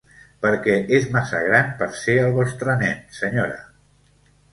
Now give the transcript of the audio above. Perquè és massa gran per ser el vostre nen, senyora.